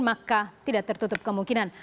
maka tidak tertutup kemungkinan